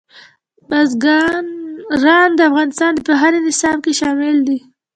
بزګان د افغانستان د پوهنې نصاب کې شامل دي.